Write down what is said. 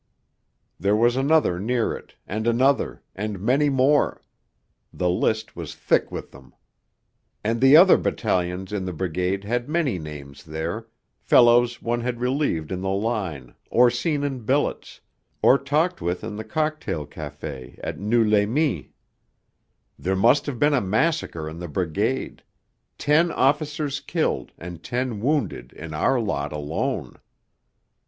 There was another near it, and another, and many more; the list was thick with them. And the other battalions in the Brigade had many names there fellows one had relieved in the line, or seen in billets, or talked with in the Cocktail Café at Noeux les Mines. There must have been a massacre in the Brigade ... ten officers killed and ten wounded in our lot alone.